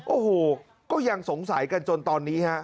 โอ้โหก็ยังสงสัยกันจนตอนนี้ฮะ